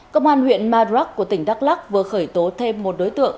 công an huyện madrak của tỉnh đắk lắc vừa khởi tố thêm một đối tượng